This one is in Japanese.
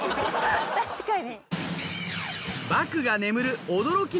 確かに。